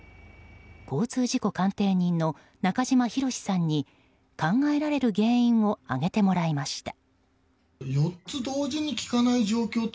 交通事故鑑定人の中島博史さんに考えられる原因を挙げてもらいました。